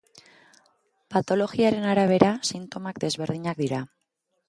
Patologiaren arabera sintomak desberdinak dira.